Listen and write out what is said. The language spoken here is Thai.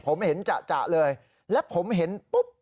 ผมเห็นจะเลยและผมเห็นปุ๊บ